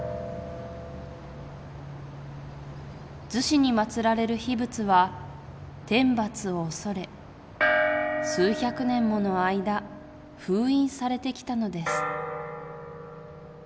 厨子に祭られる秘仏は天罰を恐れ数百年もの間封印されてきたのです。